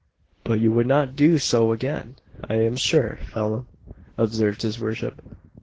"But you would not do so again, I am sure, Phelim," observed his worship.